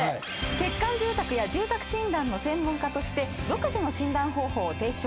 欠陥住宅や住宅診断の専門家として独自の診断方法を提唱。